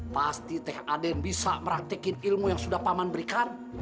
pasti teh ada yang bisa praktikin ilmu yang sudah paman berikan